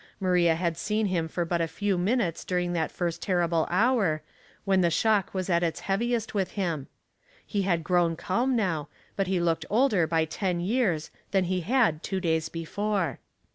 Maria had seen him for but a few minutes during that first terrible hour, 7 98 Household Puzzles, when the shock was at its heaviest with him. He had grown calm now, but he looked older by ten years than he had two days before.